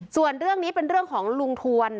ส่วนเรื่องนี้เป็นเรื่องของลุงทวน